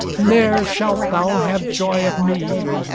Ne'er shalt thou have joy of me.